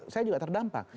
saya juga terdampak